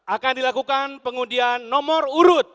akan dilakukan pengundian nomor urut